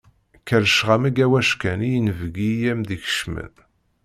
Qerrceɣ-am egg awackan i yinebgi i am-d-ikecmen.